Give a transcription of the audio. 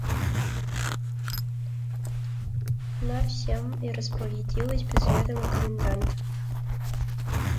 Она всем и распорядилась без ведома коменданта.